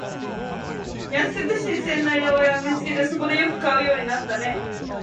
安くて新鮮な八百屋を見つけて、そこでよく買うようになった